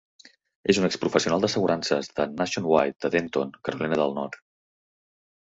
És un ex professional d'assegurances de Nationwide de Denton, Carolina del Nord.